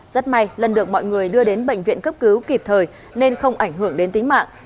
rất may lân được mọi người đưa đến bệnh viện cấp cứu kịp thời nên không ảnh hưởng đến tính mạng